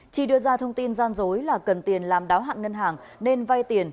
chi đưa ra thông tin gian dối là cần tiền làm đáo hạng ngân hàng nên vai tiền